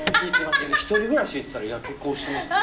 「１人暮らし？」っつったら「いや結婚してます」って。